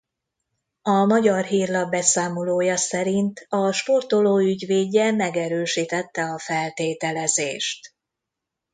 A Magyar Hírlap beszámolója szerint a sportoló ügyvédje megerősítette a feltételezést.